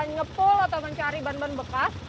ngepul atau mencari ban ban bekas